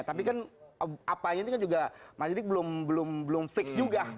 tapi kan apanya ini kan juga mas jadi belum fix juga